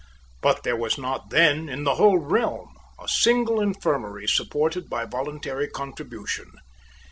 But there was not then, in the whole realm, a single infirmary supported by voluntary contribution.